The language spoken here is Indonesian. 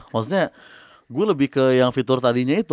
maksudnya gue lebih ke yang fitur tadinya itu